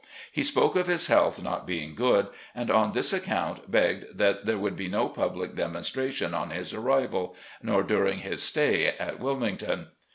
He spoke of his health not being good, and on this account begged that there would be no public demonstration on his arrival, nor during his stay at Wilmington.